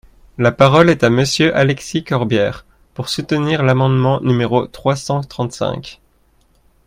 La parole est à Monsieur Alexis Corbière, pour soutenir l’amendement numéro trois cent trente-cinq.